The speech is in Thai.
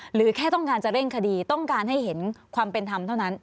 หรือแค่ต้องการจะเร่งคดีต้องการให้เห็นความเป็นธรรมเท่านั้น